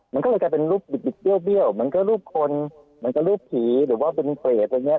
มันก็เลยกลายเป็นรูปบิดเบี้ยวมันก็รูปคนมันก็รูปผีหรือว่าเป็นเฟสอะไรอย่างเงี้